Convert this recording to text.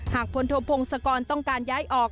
พลโทพงศกรต้องการย้ายออก